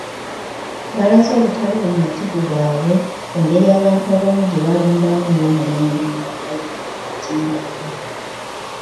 Balaze obutali bumativu bwabwe ku ngeri abantu abamu gye balumbamu Namulondo nga bayita ku mitimbagano.